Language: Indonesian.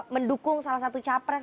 mendukung salah satu capres